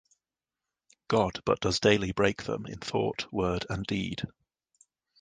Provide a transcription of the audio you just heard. God, but does daily break them in thought, word, and deed.